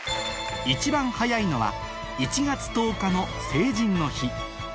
一番早いのは１月１０日の成人の日